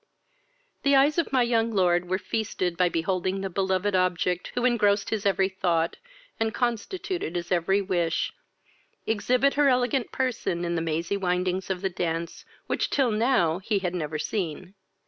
"The eyes of my young lord were feasted by beholding the beloved object who engrossed his every thought, and constituted his every wish, exhibit her elegant person in the mazy windings of the dance, which till now he had never seen.